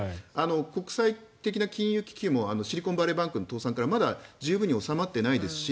国際的な金融危機もシリコンバレーの倒産からまだ十分に収まってないですし